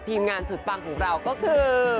ทีมงานสุดปังของเราก็คือ